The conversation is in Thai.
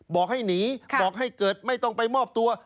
บอกให้หนีบอกให้เกิดไม่ต้องไปมอบตัว